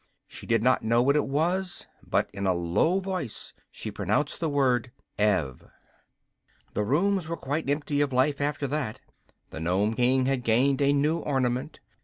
She did not know what it was, but in a low voice she pronounced the word "Ev." The rooms were quite empty of life after that. The Nome King had gained a new ornament.